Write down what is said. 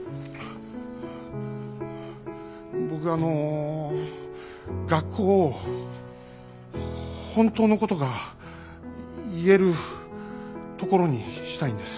僕はあの学校を本当のことが言えるところにしたいんです。